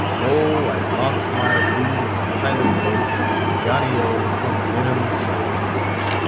Oh! I los' my boot in a pilot boat, Johnio! come Winum so!